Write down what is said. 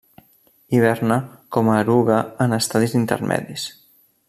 Hiberna com a eruga en estadis intermedis.